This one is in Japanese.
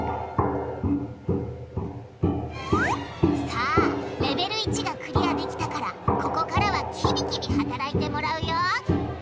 さあレベル１がクリアできたからここからはキビキビ働いてもらうよ！